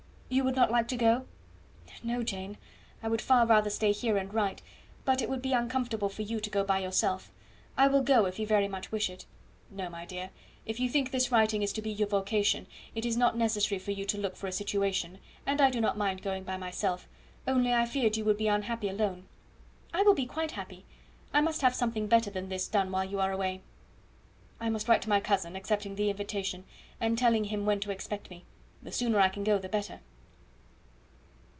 You would not like to go?" "No, Jane, I would far rather stay here and write; but it would be uncomfortable for you to go by yourself. I will go, if you very much wish it." "No, my dear, if you think this writing is to be your vocation, it is not necessary for you to look for a situation, and I do not mind going by myself, only I feared you would be unhappy alone." "I will be quite happy. I must have something better than this done while you are away." "I must write to my cousin, accepting the invitation, and telling him when to expect me. The sooner I can go the better."